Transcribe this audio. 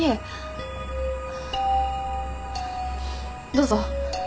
どうぞ。